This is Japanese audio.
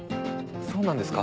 そうなんですか？